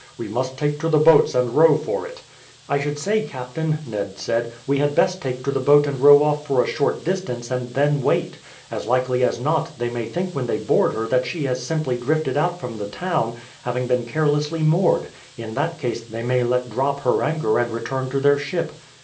We must take to the boats and row for it." "I should say, captain," Ned said, "we had best take to the boat and row off for a short distance, and then wait. As likely as not they may think when they board her that she has simply drifted out from the town, having been carelessly moored. In that case they may let drop her anchor and return to their ship."